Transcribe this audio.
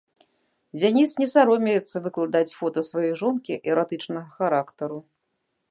Дзяніс не саромеецца выкладаць фота сваёй жонкі эратычнага характару.